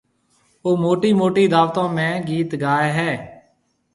او موٽِي موٽِي دعوتون ۾ گِيت گائي هيَ۔